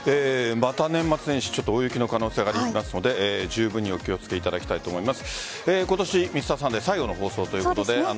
また年末年始大雪の可能性がありますので十分にお気をつけいただきたいと思います。